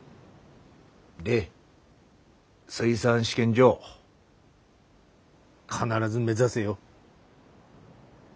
で水産試験場必ず目指せよ。